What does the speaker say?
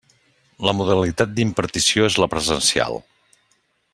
La modalitat d'impartició és la presencial.